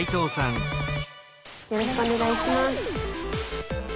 よろしくお願いします。